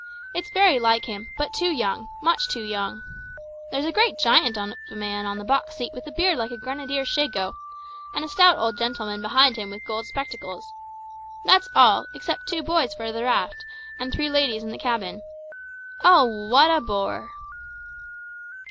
It's very like him, but too young, much too young. There's a great giant of a man on the box seat with a beard like a grenadier's shako, and a stout old gentleman behind him with gold spectacles. That's all, except two boys farther aft, and three ladies in the cabin. Oh, what a bore!"